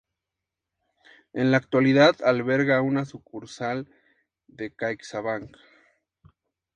En la actualidad alberga una sucursal de Caixabank.